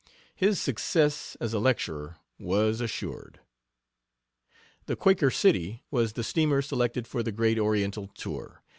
His success as a lecturer was assured. The Quaker City was the steamer selected for the great oriental tour.